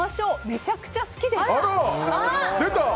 めちゃくちゃ好きです。